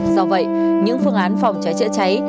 do vậy những phương án phòng cháy chữa cháy